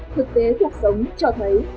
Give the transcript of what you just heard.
thực tế cuộc sống cho thấy